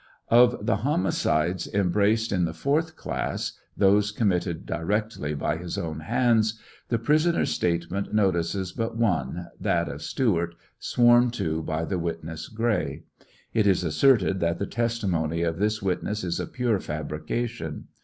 Of the homicides embraced in the fourth class (those committed directly by his own hands) the prisoner's statement notices but one, that of Stewart, sworn to by the witness Gray. It is asserted that the testimony of this witness is a pure fabrication.